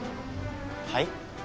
はい？